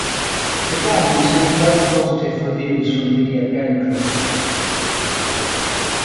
The game received very positive reviews from video game critics.